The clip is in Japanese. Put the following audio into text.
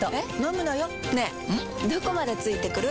どこまで付いてくる？